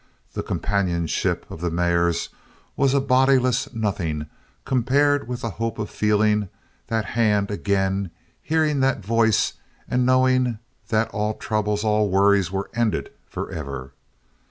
The companionship of the mares was a bodiless nothing compared with the hope of feeling that hand again, hearing that voice, and knowing that all troubles, all worries were ended for ever.